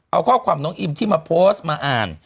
เอาข้อความน้องอิมที่มาโพสต์มาอ่าน